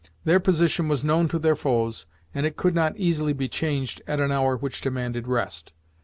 Their position was known to their foes, and it could not easily be changed at an hour which demanded rest.